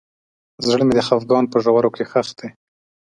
زړه مې د خفګان په ژورو کې ښخ دی.